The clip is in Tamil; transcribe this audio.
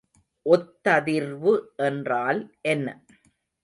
ஒத்ததிர்வு என்றால் என்ன?